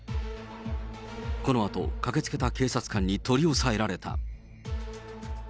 このあと、駆けつけた警察官に取り押さえられた。